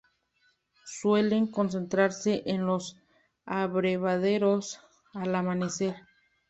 Suelen concentrarse en los abrevaderos al amanecer.